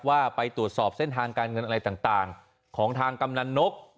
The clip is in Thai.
ว่าไปตรวจสอบเส้นทางการเงินอะไรต่างของทางกำนันนก